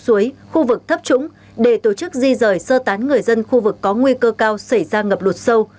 suối khu vực thấp trũng để tổ chức di rời sơ tán người dân khu vực có nguy cơ cao xảy ra ngập lụt sâu